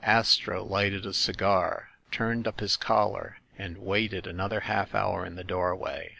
Astro lighted a cigar, turned up his collar and waited another half hour in the doorway.